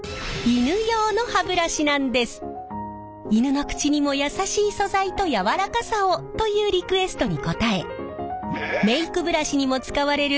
犬の口にも優しい素材と柔らかさをというリクエストに応えメイクブラシにも使われる